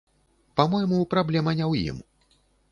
Па-мойму, праблема не ў ім.